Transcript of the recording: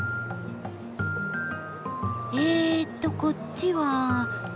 えとこっちは。